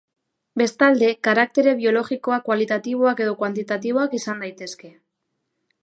Bestalde, karaktere biologikoak kualitatiboak edo kuantitatiboak izan daitezke.